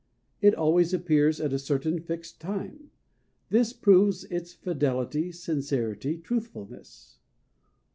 It always appears at a certain fixed time. This proves its fidelity, sincerity, truthfulness.